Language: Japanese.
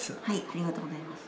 ありがとうございます。